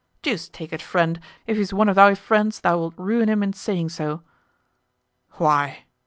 "Deuce take it, friend, if he's one of thy friends thou wilt ruin him in saying so." "Why?"